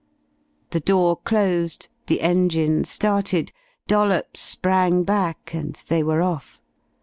The door closed, the engine started, Dollops sprang back and they were off.